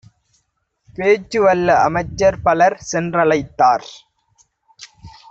பேச்சுவல்ல அமைச்சர்பலர் சென்ற ழைத்தார்.